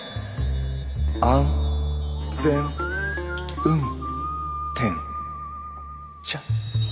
安・全・運・転・じゃ。